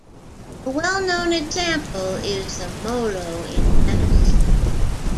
A well-known example is the Molo in Venice.